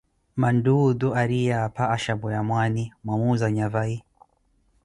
manttuwi otu ariiye apha ashapweya mwaani, mwamuuzaya vai?